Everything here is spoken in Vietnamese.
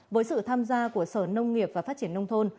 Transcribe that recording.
với sự tham gia của sở nông nghiệp và phát triển nông thôn